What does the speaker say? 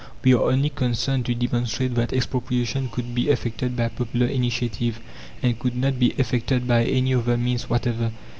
We are only concerned to demonstrate that expropriation could be effected by popular initiative, and could not be effected by any other means whatever.